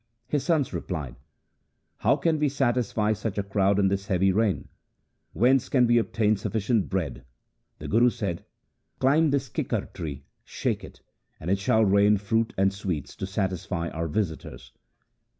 His sons replied, ' How can we satisfy such a crowd in this heavy rain ? Whence can we obtain sufficient bread ?' The Guru said, ' Climb this kikar tree, shake it, and it shall rain fruit and sweets to satisfy our visitors.'